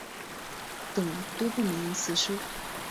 等多部名人辞书。